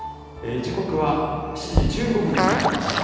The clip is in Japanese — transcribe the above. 時刻は７時１５分になりました。